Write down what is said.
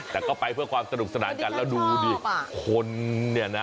แต่ก็ไปเพื่อความสนุกสนานกันแล้วดูดิคนเนี่ยนะ